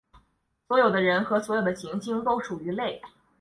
所有的人和所有的行星都属于类。